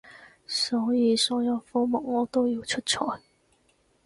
所以所有科目我都要出賽